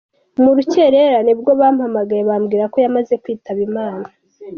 Mu rukerera nibwo bampamagaye bambwira ko yamaze kwitaba Imana.